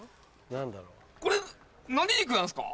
これ何肉なんすか？